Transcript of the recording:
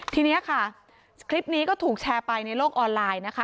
ทีนี้ค่ะคลิปนี้ก็ถูกแชร์ไปในโลกออนไลน์นะคะ